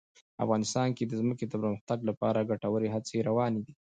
افغانستان کې د ځمکه د پرمختګ لپاره ګټورې هڅې روانې دي.